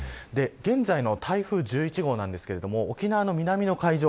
現在の台風１１号ですが沖縄の南の海上